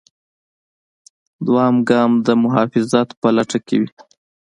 دویم ګام کې د محافظت په لټه کې وي.